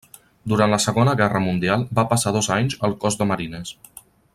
Durant la Segona Guerra Mundial va passar dos anys al Cos de Marines.